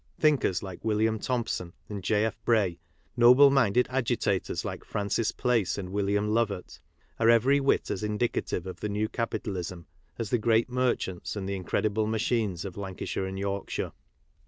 Thinkers like William Thomp son and J. F. Bray, noble minded agitators like Francis Place and William Lovett, are every whit as indicative of the new capitalism as the great merchants and the in credible machines of Lancashire and Yorkshire.